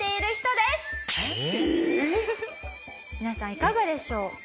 皆さんいかがでしょう？